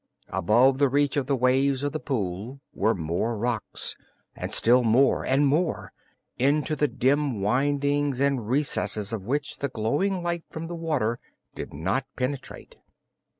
Above the reach of the waves of the pool were more rocks, and still more and more, into the dim windings and recesses of which the glowing light from the water did not penetrate.